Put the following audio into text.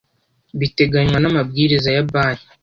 biteganywa n amabwiriza ya banki